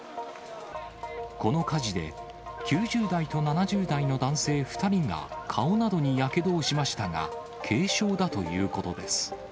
この火事で、９０代と７０代の男性２人が顔などにやけどをしましたが、軽傷だということです。